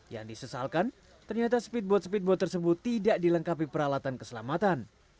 yang disesalkan ternyata speedboat speedboat tersebut tidak dilengkapi peralatan keselamatan